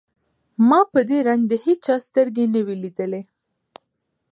ما په دې رنگ د هېچا سترګې نه وې ليدلې.